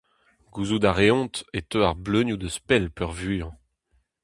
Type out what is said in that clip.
Gouzout a reont e teu ar bleunioù eus pell peurvuiañ.